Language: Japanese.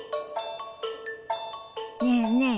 ねえねえ